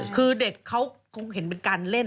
คือเด็กเขาคงเห็นเป็นการเล่น